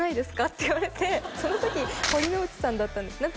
って言われてその時堀之内さんだったんですね